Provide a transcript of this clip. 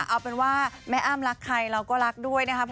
เอาเป็นว่าแม่อ้ำรักใครเราก็รักด้วยนะครับ